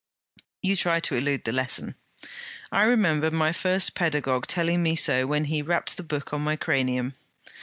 'You try to elude the lesson.' 'I remember my first paedagogue telling me so when he rapped the book on my cranium.'